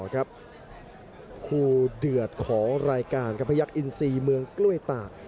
คู่เดือดของรายการครับพยักษอินซีเมืองกล้วยตาก